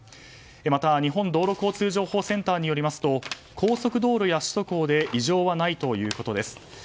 また、日本道路交通情報センターによりますと高速道路や首都高で異常はないということです。